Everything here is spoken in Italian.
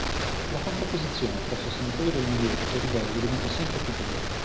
La contrapposizione tra sostenitori del Milieu e Ribelli diventa sempre più dura.